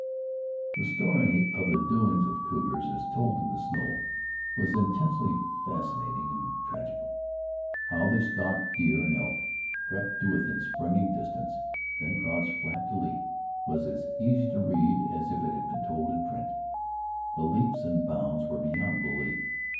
The story of the doings of cougars, as told in the snow, was intensely fascinating and tragic! How they stalked deer and elk, crept to within springing distance, then crouched flat to leap, was as easy to read as if it had been told in print. The leaps and bounds were beyond belief.